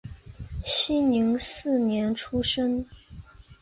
熙宁四年出生。